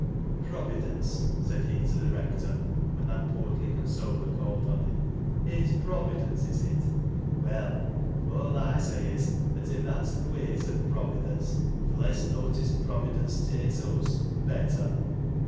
" Providence ?" said he to the Hector, when that portly consoler called on him. " It's Providence, is it ? Well, aw I say is, that if that's th' ways o' Providence, th' lese notice Providence takes o' us, th' better."